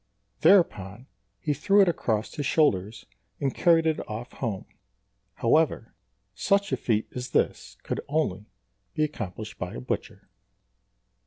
Thereupon he threw it across his shoulders and carried it off home. However, such a feat as this could only be accomplished by a butcher.